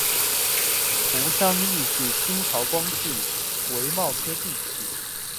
胡商彝是清朝光绪癸卯科进士。